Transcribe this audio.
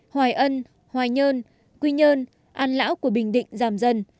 hoài ân hoài nhơn quy nhơn an lão của bình định giảm dần